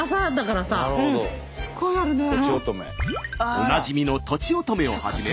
おなじみのとちおとめをはじめ